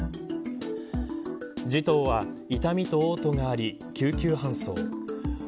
児童は痛みと嘔吐があり、救急搬送。